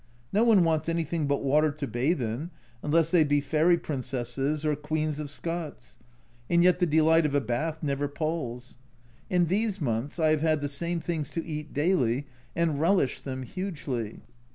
No one wants any thing but water to bathe in, unless they be fairy princesess or Queens of Scots, and yet the delight of A Journal from Japan 89 a bath never palls : in these months I have had the same things to eat daily and relished them hugely.